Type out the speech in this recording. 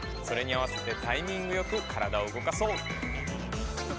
それにあわせてタイミングよくからだを動かそう！